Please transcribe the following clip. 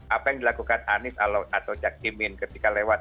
apa yang dilakukan anies atau cak imin ketika lewat